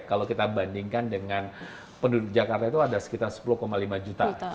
kalau kita bandingkan dengan penduduk jakarta itu ada sekitar sepuluh lima juta